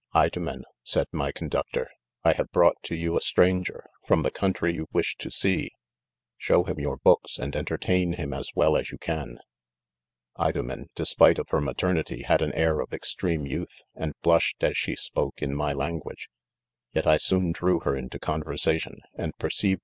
" Idomen," said my conductor, " I have brought to you n stranger, from the country you "iviah to e.ei' :.— show him your books, and entertain him as well as you can." Idomen, despite of hex "maternity, had a. a a u' of extreme youth, and blushed as shs spoke h: may language j yet i :;ooa d/cuv her into conver sation, and "nerceiv ;;t